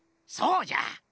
そうじゃ！